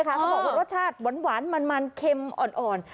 เขาบอกว่ารสชาติหวานมันเค็มอ่อน